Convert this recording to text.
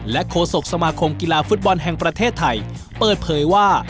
โฆษกสมาคมกีฬาฟุตบอลแห่งประเทศไทยเปิดเผยว่า